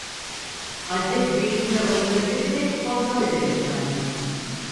Adres bilgisine ulaşabilirsek kontrol edelim efendim